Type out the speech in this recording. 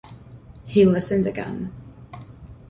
He listened again.